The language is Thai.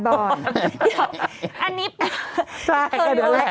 กรมป้องกันแล้วก็บรรเทาสาธารณภัยนะคะ